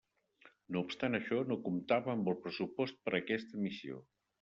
No obstant això, no comptava amb el pressupost per a aquesta missió.